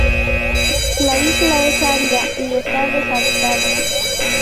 La isla es árida y está deshabitada.